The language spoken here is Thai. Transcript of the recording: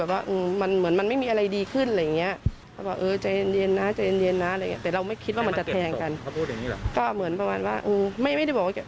เวลมันโทรกันที่เลยไหม